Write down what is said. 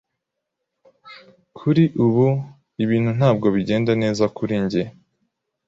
Kuri ubu, ibintu ntabwo bigenda neza kuri njye.